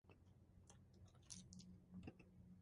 โดยสามารถขอคำแนะนำจากพยาบาลหรือเจ้าหน้าที่คลินิกนมแม่